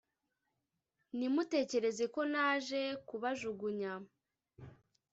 ntimutekereze ko naje kubajugunya